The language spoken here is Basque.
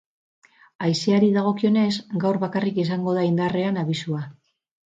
Haizeari dagokionez, gaur bakarrik izango da indarrean abisua.